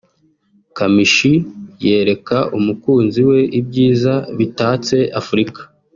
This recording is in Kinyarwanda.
Kamichi yereka umukunzi we ibyiza bitatse Afurika